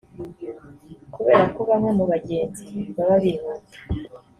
Kubera ko bamwe mu bagenzi baba bihuta